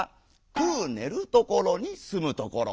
「食う寝るところに住むところ」。